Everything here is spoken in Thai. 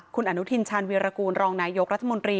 คุณอนุทินชาญวีรกูลรองนายกรัฐมนตรี